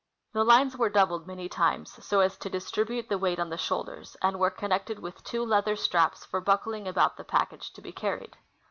The lines were doubled many times, so as to distribute the weight on the shoulders, and were connected with two leather straps for buck ling about the package to be carried.